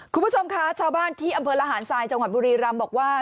คุณผู้ชมคะชาวบ้านที่อำเภอระหารทรายจังหวัดบุรีรำบอกว่า